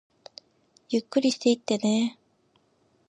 ゆっくりしていってねー